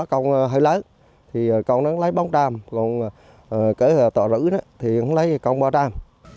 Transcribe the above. các con hơi lấy thì con lấy ba trăm linh còn kể tọa rữ thì con lấy ba trăm linh